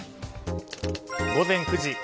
午前９時。